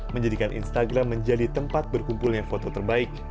menjadikan instagram menjadi tempat berkumpulnya foto terbaik